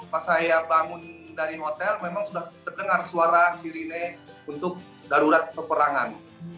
pas saya bangun dari hotel memang sudah terdengar suara sirine untuk darurat peperangan